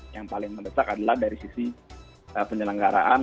yang paling mendesak adalah dari sisi penyelenggaraan